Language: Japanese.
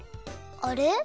あれ？